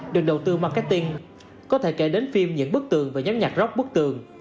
được đầu tư marketing có thể kể đến phim những bức tường và nhóm nhạc rock bức tường